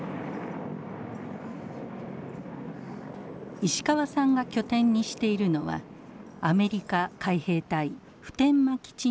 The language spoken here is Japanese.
石川さんが拠点にしているのはアメリカ海兵隊普天間基地の程近く。